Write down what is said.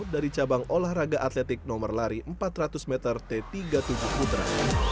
dari cabang olahraga atletik nomor lari empat ratus meter t tiga puluh tujuh putra